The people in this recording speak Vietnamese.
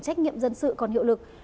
trách nhiệm dân sự còn hiệu lực